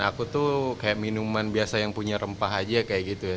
aku tuh kayak minuman biasa yang punya rempah aja kayak gitu ya